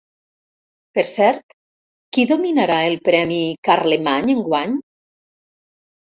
Per cert, qui dominara el premi Carlemany, enguany?